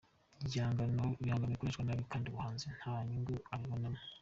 Ibihangano bikoreshwa nabi kandi umuhanzi nta nyungu abibonamo.